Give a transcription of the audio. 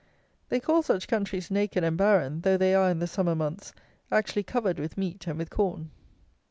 They call such countries naked and barren, though they are, in the summer months, actually covered with meat and with corn.